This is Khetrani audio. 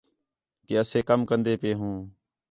کہ اسے کم کندے پئے ہوں